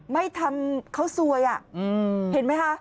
ไม่ทำเขาซวยอ่ะอืมเห็นไหมฮะ